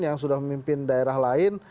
yang sudah memimpin daerah lain